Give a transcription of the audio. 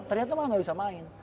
ternyata malah gak bisa main